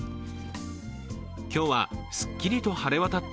今日はすっきりと晴れ渡った